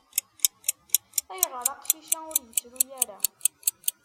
-Ayɣer aqcic-a ur yettru ara.